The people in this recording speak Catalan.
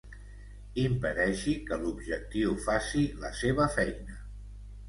Impedeixi que l'objectiu faci la seva feina.